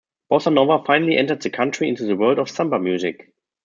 Bossa nova finally entered the country into the world of samba music.